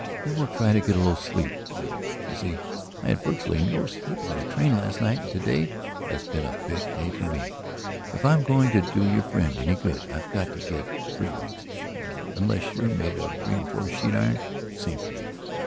Then we'll try to get a little sleep, all of us. You see, I had virtually no sleep on the train last night and to day has been a big day for me. If I'm going to do your friend any good I've got to get three winks. And, unless you're made out of reinforced sheet iron, it's the same for you.